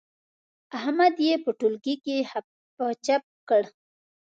احمد يې په ټولګي کې خپ و چپ کړ.